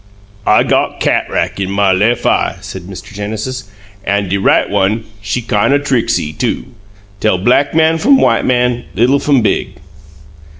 "I got cat'rack in my lef' eye," said Mr. Genesis, "an' de right one, she kine o' tricksy, too. Tell black man f'um white man, little f'um big."